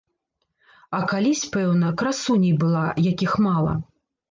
А калісь, пэўна, красуняй была, якіх мала.